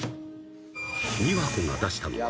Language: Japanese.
［美琶子が出したのは］